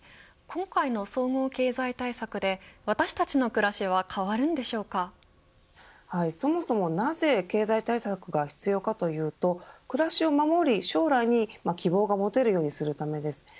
今回の総合経済対策で私たちの暮らしはそもそもなぜ経済対策が必要かというと暮らしを守り、将来に希望が持てるようにするためです。